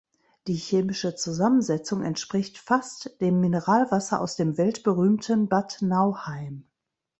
Die chemische Zusammensetzung entspricht fast dem Mineralwasser aus dem weltberühmten Bad Nauheim.